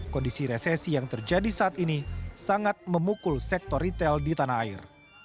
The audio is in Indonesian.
kondisi resesi yang terjadi saat ini sangat memukul sektor retail di tanah air